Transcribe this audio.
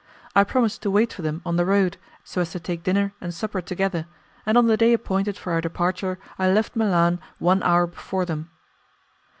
I promised to wait for them on the road, so as to take dinner and supper together, and on the day appointed for our departure I left Milan one hour before them.